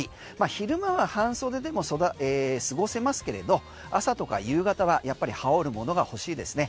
昼間は半袖でも過ごせますけれど朝とか夕方は、やっぱり羽織るものが欲しいですね。